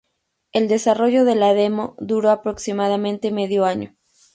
El desarrollo de la demo duró aproximadamente medio año.